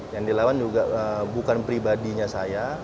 yang dilawan juga bukan pribadinya saya